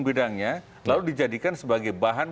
bidangnya lalu dijadikan sebagai bahan